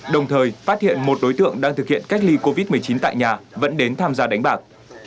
đồng thời phát hiện một đối tượng đang thực hiện cách ly covid một mươi chín tại nhà vẫn đến tham gia đánh bạc